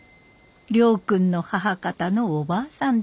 亮君の母方のおばあさんです。